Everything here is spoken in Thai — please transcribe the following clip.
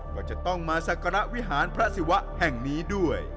ก็จะต้องมาสักการะวิหารพระศิวะแห่งนี้ด้วย